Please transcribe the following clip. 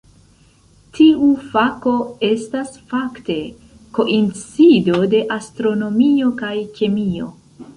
Tiu fako estas fakte koincido de astronomio kaj kemio.